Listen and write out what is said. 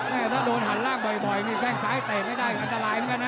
ถ้าโดนหันล่างบ่อยนี่แข้งซ้ายเตะไม่ได้อันตรายเหมือนกันนะ